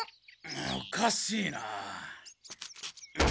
おかしいなぁ。